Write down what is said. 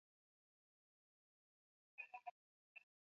mbuzi nao wakiwaambukiza mbuzi wenzao pekee